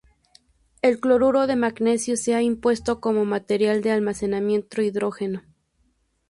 El cloruro de magnesio se ha impuesto como material de almacenamiento de hidrógeno.